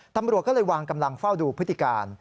ตำรวจก็เลยวางกำลังเฝ้าดูพฤติการ